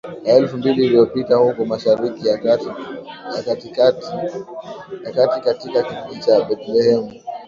Ya elfu mbili iliyopita huko Mashariki ya Kati katika kijiji cha Bethlehemu